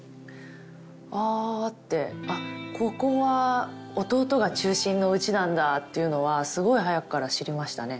「あ」って「あっここは弟が中心の家なんだ」っていうのはすごい早くから知りましたね